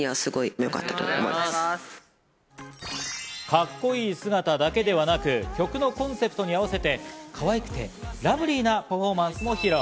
カッコいい姿だけではなく、曲のコンセプトに合わせて、かわいくてラブリーなパフォーマンスも披露。